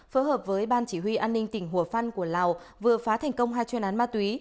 phối hợp với ban chỉ huy an ninh tỉnh hùa phân của lào vừa phá thành công hai chuyên án ma túy